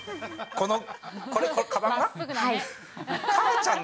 この、これ、かばんが？